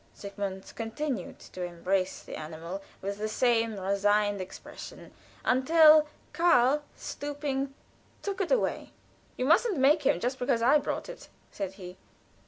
Sigmund continued to embrace the animal with the same resigned expression, until Karl, stooping, took it away. "You mustn't make him, just because I brought it," said he.